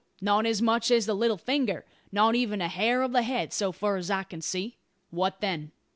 Not as much as the little finger; not even a hair of the head, so fur as I can see." "What then?"